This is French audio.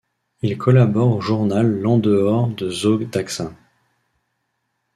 Il collabore au journal L'En-dehors de Zo d'Axa.